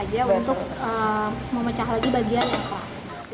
dan tang krep aja untuk memecah lagi bagian yang khas